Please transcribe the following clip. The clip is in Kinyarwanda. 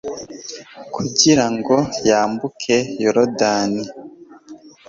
kugira ngo yambuke yorudani